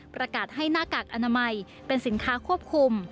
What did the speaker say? ประกาศให้หน้ากากอนามัยเป็นสินค้าควบคุม